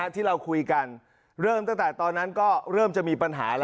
ที่เราคุยกันเริ่มตั้งแต่ตอนนั้นก็เริ่มจะมีปัญหาแล้ว